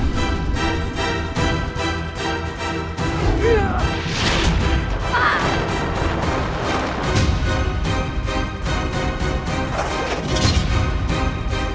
jangan lupa like share dan subscribe